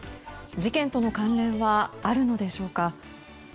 事件との関連はあるのでしょうか。